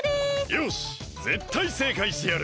よしぜったいせいかいしてやる！